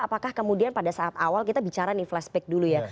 apakah kemudian pada saat awal kita bicara nih flashback dulu ya